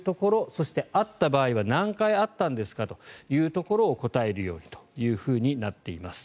そして、あった場合は何回あったんですかというところを答えるようにとなっています。